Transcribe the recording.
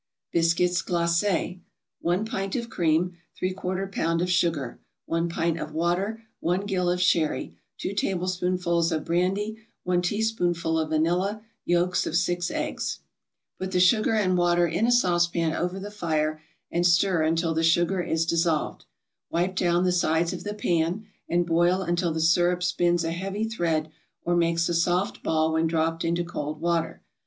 BISCUITS GLACÉS 1 pint of cream 3/4 pound of sugar 1 pint of water 1 gill of sherry 2 tablespoonfuls of brandy 1 teaspoonful of vanilla Yolks of six eggs Put the sugar and water in a saucepan over the fire and stir until the sugar is dissolved; wipe down the sides of the pan, and boil until the syrup spins a heavy thread or makes a soft ball when dropped into cold water.